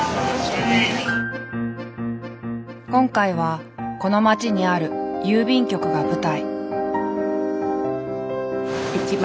今回はこの町にある郵便局が舞台。